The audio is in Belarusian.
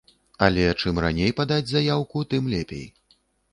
Але чым раней падаць заяўку, тым лепей.